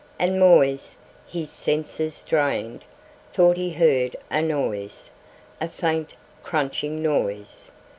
And Moisse, his senses strained, thought he heard a noise a faint crunching noise.